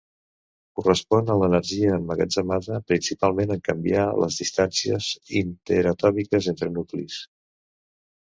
Correspon a l'energia emmagatzemada principalment en canviar les distàncies interatòmiques entre nuclis.